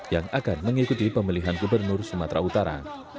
yang akan mengikuti pemilihan gubernur sumatera utara